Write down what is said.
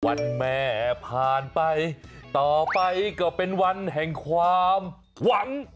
วันแม่ผ่านไปต่อไปก็เป็นวันแห่งความหวัง